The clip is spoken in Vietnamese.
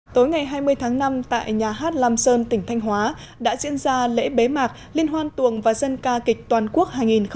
tối ngày hai mươi tháng năm tại nhà hát lam sơn tỉnh thanh hóa đã diễn ra lễ bế mạc liên hoan tuồng và dân ca kịch toàn quốc hai nghìn một mươi chín